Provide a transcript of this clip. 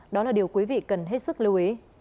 đó là điều quý vị cần hết sức lưu ý